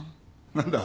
何だ？